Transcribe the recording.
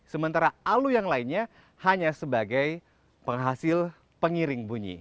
sementara alu yang lainnya hanya sebagai penghasil pengiring bunyi